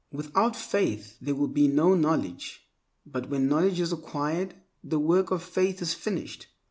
Without faith there will be no knowledge, but when knowledge is acquired, the work of faith is finished.